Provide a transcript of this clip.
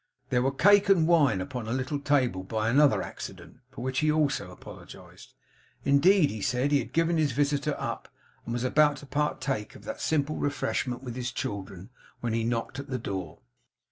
There were cake and wine upon a little table by another accident, for which he also apologised. Indeed he said, he had given his visitor up, and was about to partake of that simple refreshment with his children, when he knocked at the door.